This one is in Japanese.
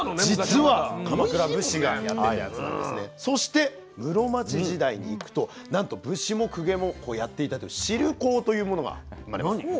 そして室町時代にいくとなんと武士も公家もこうやっていたという「汁講」というものが生まれます。